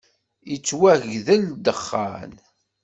Yettwagdel ddexxan!